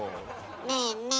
ねえねえ